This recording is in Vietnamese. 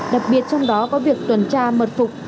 đặc biệt trong đó có việc tuần tra mật phục